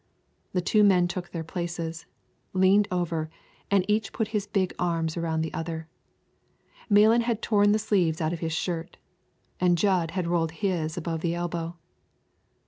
The two men took their places, leaned over, and each put his big arms around the other. Malan had torn the sleeves out of his shirt, and Jud had rolled his above the elbow.